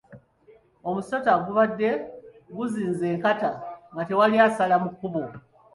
Omusota gubadde guzinze enkata nga tewali asala mu kkubo.